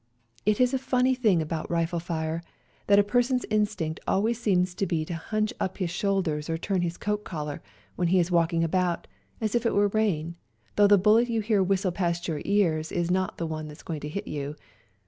It is a funny thing about rifle fire, that a person's instinct always 140 FIGHTING ON MOUNT CHUKLS seems to be to hunch up his shoulders or turn up his coat collar when he is walking about, as if it were rain, though the bullet you hear whistle past your ears is not the one that is going to hit you.